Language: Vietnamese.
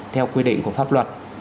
theo quy định của pháp luật